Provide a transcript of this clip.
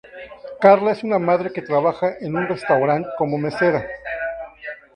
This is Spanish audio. Karla es una madre que trabaja en un restaurante como mesera.